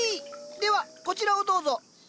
ではこちらをどうぞ。